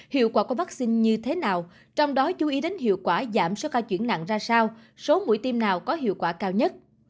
hiệu quả của vaccine như thế nào trong đó chú ý đến hiệu quả giảm số ca chuyển nặng ra sao số mũi tiêm nào có hiệu quả cao nhất